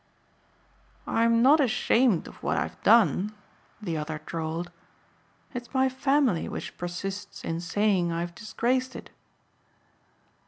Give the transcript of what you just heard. "I'm not ashamed of what I've done," the other drawled, "it's my family which persists in saying I've disgraced it."